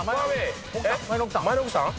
前の奥さん？